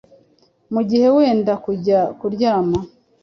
mu gihe wenda kujya kuryama